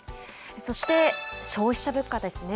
そして、消費者物価ですね。